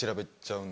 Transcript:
うん。